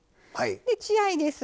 で血合いです。